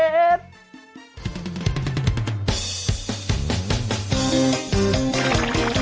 โอ้โฮเฮ้ยโยกจนเอวพังก็ไม่ได้ใจเธอเลยนะ